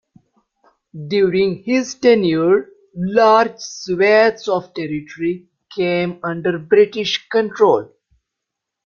During his tenure, large swaths of territory came under British control.